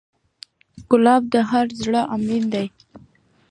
ګلاب د هر زړه امید ده.